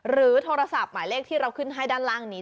โทรศัพท์หมายเลขที่เราขึ้นให้ด้านล่างนี้